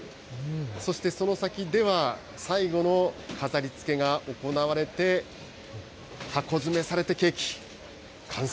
そしてその先では、最後の飾りつけが行われて、箱詰めされてケーキ、完成。